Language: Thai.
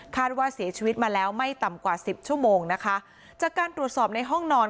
ว่าเสียชีวิตมาแล้วไม่ต่ำกว่าสิบชั่วโมงนะคะจากการตรวจสอบในห้องนอน